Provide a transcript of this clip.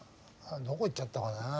どこいっちゃったかなあ？